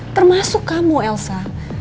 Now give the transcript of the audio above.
termasuk kamu alsa